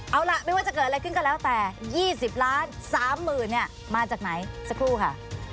เอาล่ะไม่ว่าจะเกิดอะไรขึ้นก็แล้วแต่๒๐ล้าน๓๐๐๐เนี่ยมาจากไหนสักครู่ค่ะ